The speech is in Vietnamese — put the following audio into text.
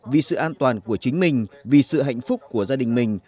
vì sự an toàn của chính mình vì sự hạnh phúc của gia đình mình